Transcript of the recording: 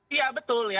iya betul ya